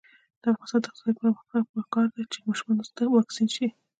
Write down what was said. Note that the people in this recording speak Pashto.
د افغانستان د اقتصادي پرمختګ لپاره پکار ده چې ماشومان واکسین شي.